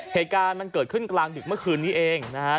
เหตุการณ์มันเกิดขึ้นกลางดึกเมื่อคืนนี้เองนะฮะ